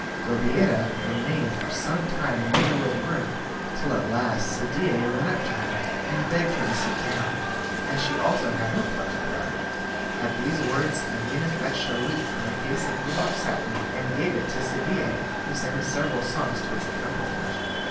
Zobeida remained for some time in the middle of the room, till at last Sadie went up to her and begged her to sit down, as she also had her part to play. At these words Amina fetched a lute from a case of yellow satin and gave it to Sadie, who sang several songs to its accompaniment.